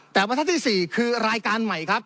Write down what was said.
แต่วันท่านที่๔คือรายการใหม่